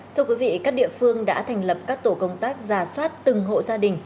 thưa quý vị các địa phương đã thành lập các tổ công tác giả soát từng hộ gia đình